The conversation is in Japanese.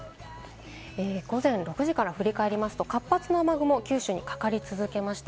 午前６時から振り返りますと、活発な雨雲、九州にかかり続けました。